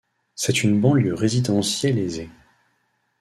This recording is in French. C'est une banlieue résidentielle aisée.